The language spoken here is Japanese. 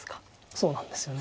そうなんですよね。